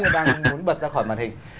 đang muốn bật ra khỏi màn hình